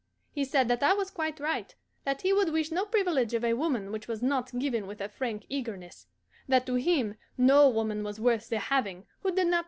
He said that I was quite right; that he would wish no privilege of a woman which was not given with a frank eagerness; that to him no woman was worth the having who did not throw her whole nature into the giving.